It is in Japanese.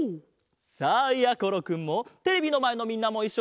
さあやころくんもテレビのまえのみんなもいっしょに！